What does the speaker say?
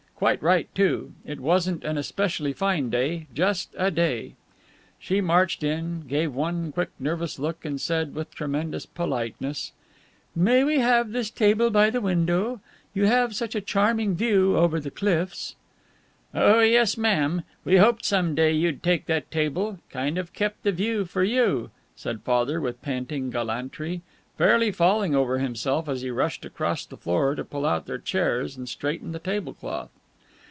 Quite right, too; it wasn't an especially fine day; just a day. She marched in, gave one quick, nervous look, and said, with tremendous politeness: "May we have this table by the window? You have such a charming view over the cliffs." "Oh yes, ma'am! We hoped some day you'd take that table. Kind of kept the view for you," said Father, with panting gallantry, fairly falling over himself as he rushed across the floor to pull out their chairs and straighten the table cloth.